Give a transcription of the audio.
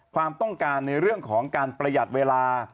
ความต้องการในการประหยัดเวลา